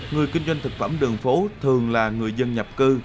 người kinh doanh thực phẩm đường phố thường là người dân nhập cư